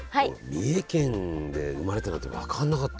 三重県で生まれたなんて分かんなかった。